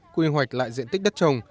quy hoạch lại diện tích đất trồng